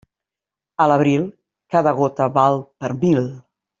A l'abril, cada gota val per mil.